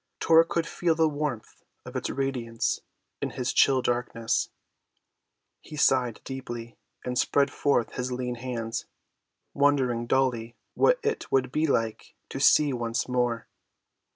Tor could feel the warmth of its radiance in his chill darkness. He sighed deeply and spread forth his lean hands, wondering dully what it would be like to see once more.